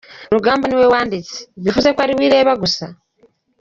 Rugamba niwe wanditse, bivuze ko ariwe ireba gusa.